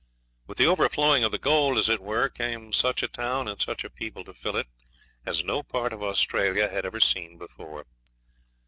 With the overflowing of the gold, as it were, came such a town and such a people to fill it, as no part of Australia had ever seen before.